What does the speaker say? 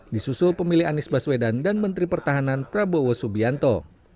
disusul pemilih anies baswedan dan menteri pertahanan prabowo subianto